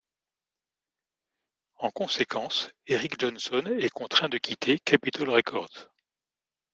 En conséquence, Eric Johnson est contraint de quitter Capitol Records.